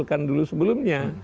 mereka usulkan dulu sebelumnya